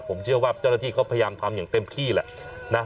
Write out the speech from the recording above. ผมเชื่อว่าเจ้าหน้าที่เขาพยายามทำอย่างเต็มที่แหละนะ